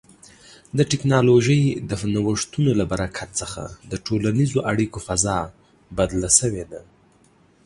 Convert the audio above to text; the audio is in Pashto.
د ټکنالوژۍ د نوښتونو له برکت څخه د ټولنیزو اړیکو فضا بدله شوې ده.